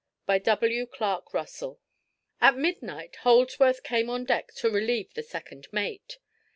By W. CLARK RUSSELL. At midnight Holdsworth came on deck to relieve the second mate.